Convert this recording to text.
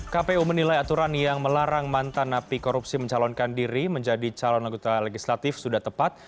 kpu menilai aturan yang melarang mantan api korupsi mencalonkan diri menjadi calon legislatif sudah tepat